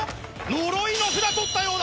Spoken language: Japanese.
「呪」の札取ったようだ。